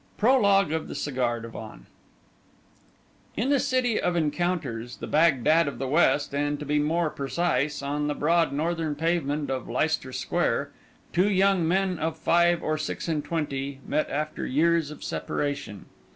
PROLOGUE OF THE CIGAR DIVAN In the city of encounters, the Bagdad of the West, and, to be more precise, on the broad northern pavement of Leicester Square, two young men of five or six and twenty met after years of separation.